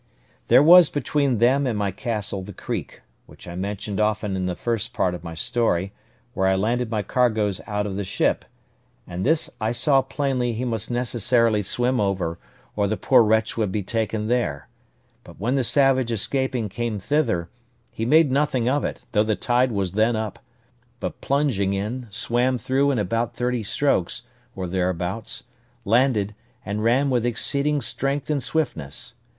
There was between them and my castle the creek, which I mentioned often in the first part of my story, where I landed my cargoes out of the ship; and this I saw plainly he must necessarily swim over, or the poor wretch would be taken there; but when the savage escaping came thither, he made nothing of it, though the tide was then up; but plunging in, swam through in about thirty strokes, or thereabouts, landed, and ran with exceeding strength and swiftness.